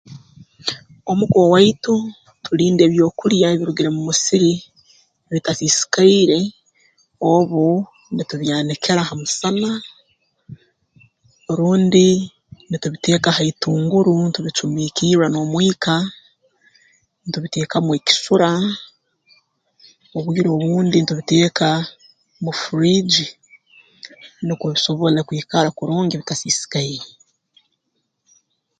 Omu ka owaitu tulinda ebyokulya ebirugire mu musiri bitasiisikaire obu nitubyanikira ha musana rundi nitubiteeka ha itunguru ntubicumiikirra n'omwika ntubiteekamu ekisura obwire obundi ntubiteeka mu fridge nukwo bisobole kwikara kurungi bitasiisikaire